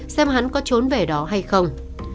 xem hắn có trốn về đó hay không